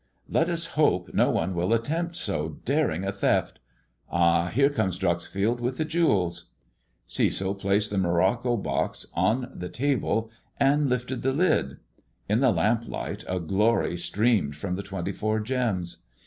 '' "Let us hope no one will attempt so daring a theft. Ah! here comes Dreuxfield with the jewels." Cecil placed the morocco box on the table and lifted the lid. In the lamplight a glory streamed from the twenty four gems.